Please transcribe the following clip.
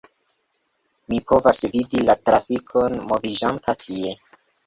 Mi povas vidi la trafikon moviĝanta tie